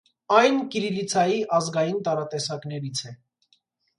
Այն կիրիլիցայի ազգային տարատեսակներից է։